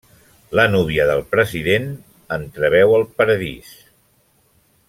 La núvia del president entreveu el paradís.